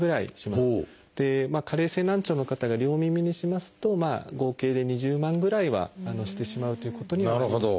加齢性難聴の方が両耳にしますと合計で２０万ぐらいはしてしまうということにはなります。